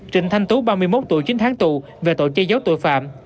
trịnh thanh tú ba mươi một tuổi chín tháng tù về tội che giấu tội phạm